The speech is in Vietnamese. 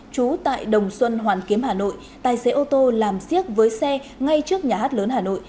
trú tại đồng xuân hoàn kiếm hà nội tài xế ô tô làm siết với xe ngay trước nhà hát lớn hà nội